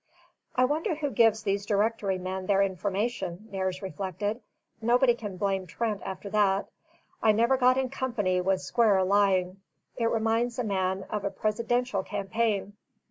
"I wonder who gives these Directory men their information," Nares reflected. "Nobody can blame Trent after that. I never got in company with squarer lying; it reminds a man of a presidential campaign."